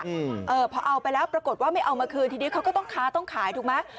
เออพอเอาไปแล้วปรากฏว่าไม่เอามาคืนทีนี้เขาก็ต้องค้าต้องขายถูกไหม